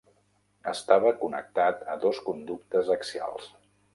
Estava connectat a dos conductes axials.